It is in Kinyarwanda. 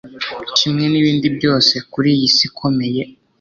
kimwe nibindi byose kuriyi si ikomeye